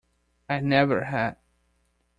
I never had.